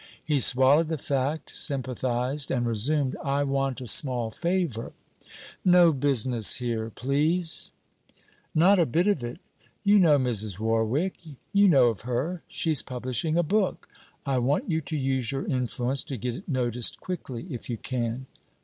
He swallowed the fact, sympathized, and resumed: 'I want a small favour.' 'No business here, please!' 'Not a bit of it. You know Mrs. Warwick.... You know of her. She 's publishing a book. I want you to use your influence to get it noticed quickly, if you can.'